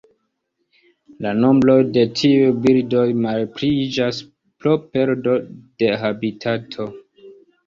La nombroj de tiuj birdoj malpliiĝas pro perdo de habitato.